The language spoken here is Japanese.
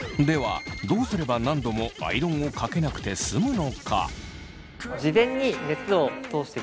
ではどうすれば何度もアイロンをかけなくて済むのか？